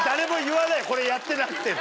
これやってなくても。